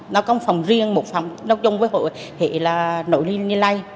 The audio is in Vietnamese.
nó có một phòng riêng một phòng nó chung với hội hệ là nội liên liên lây